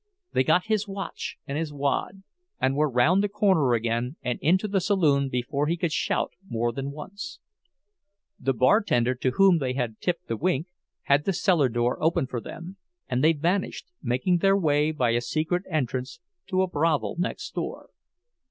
They got his watch and his "wad," and were round the corner again and into the saloon before he could shout more than once. The bartender, to whom they had tipped the wink, had the cellar door open for them, and they vanished, making their way by a secret entrance to a brothel next door.